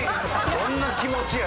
どんな気持ちやねん⁉